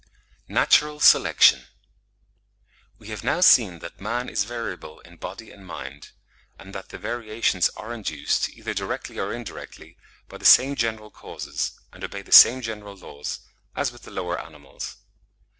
NATURAL SELECTION. We have now seen that man is variable in body and mind; and that the variations are induced, either directly or indirectly, by the same general causes, and obey the same general laws, as with the lower animals.